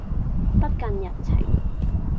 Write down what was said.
不近人情